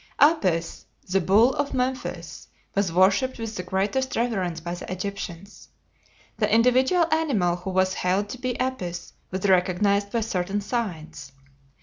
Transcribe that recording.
Apis, the Bull of Memphis, was worshipped with the greatest reverence by the Egyptians. The individual animal who was held to be Apis was recognized by certain signs.